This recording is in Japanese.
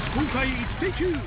イッテＱ！